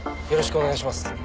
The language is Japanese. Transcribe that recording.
よろしくお願いします。